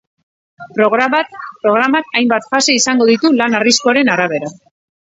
Programak hainbat fase izango ditu lan arriskuaren arabera.